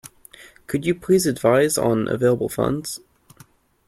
Could you please advise on available funds?